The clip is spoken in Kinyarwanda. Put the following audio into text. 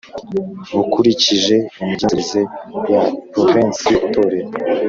bukurikije imigenzereze ya Porovensi y Itorero